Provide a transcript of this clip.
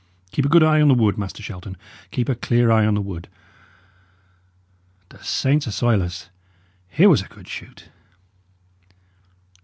"Keep a good eye on the wood, Master Shelton keep a clear eye on the wood. The saints assoil us! here was a good shoot!"